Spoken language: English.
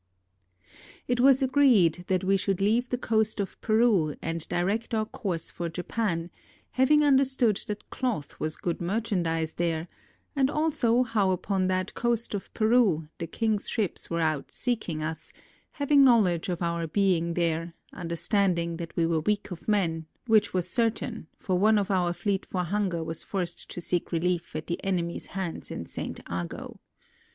] It was agreed that we should leave the coast of Peru and direct our course for Japan, having understood that cloth was good merchandise there and also how upon that coast of Peru the king's ships were out seeking us, having knowledge of our being there, understanding that we were weak of men, which was certain, for one of our fleet for hunger was forced to seek relief at the enemies' hands in Saint Ago.